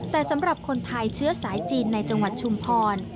แต่สำหรับคนไทยเชื้อสายจีนในจังหวัดชุมพร